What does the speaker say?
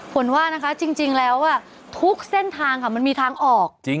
ฝนว่านะคะจริงแล้วทุกเส้นทางค่ะมันมีทางออก